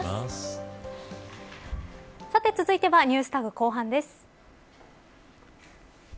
さて続いてはＮｅｗｓＴａｇ後半です。